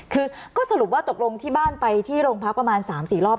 คือก็สรุปว่าตกลงที่บ้านไปที่โรงพักประมาณ๓๔รอบ